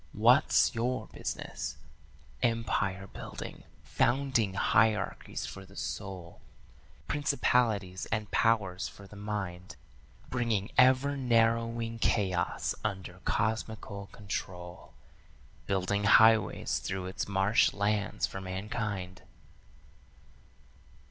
'What's your business?' Empire building, founding hierarchies for the soul, Principalities and powers for the mind, Bringing ever narrowing chaos under cosmical control, Building highways through its marsh lands for mankind.